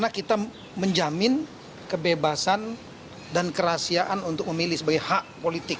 karena kita menjamin kebebasan dan kerahasiaan untuk memilih sebagai hak politik